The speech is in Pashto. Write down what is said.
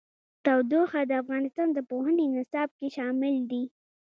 تودوخه د افغانستان د پوهنې نصاب کې شامل دي.